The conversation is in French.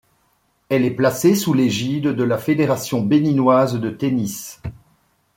Elle est placée sous l'égide de la Fédération béninoise de tennis.